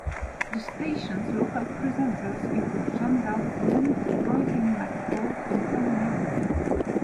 The station's local presenters include John Dalziel, Roisin McCourt and Tom Newitt.